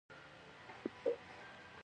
د ډيپلوماسی له لارې شخړې سوله ییز حل مومي.